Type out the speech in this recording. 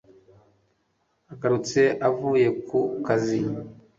agarutse avuye ku kazi